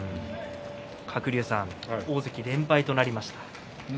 鶴竜さん大関連敗となりました。